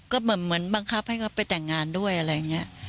ก็เหมือนบังคับให้เขาไปแต่งงานด้วยอะไรอย่างนี้